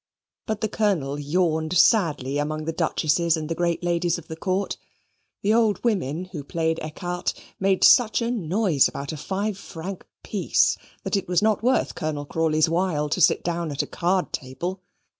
But the Colonel yawned sadly among the Duchesses and great ladies of the Court. The old women who played ecarte made such a noise about a five franc piece that it was not worth Colonel Crawley's while to sit down at a card table.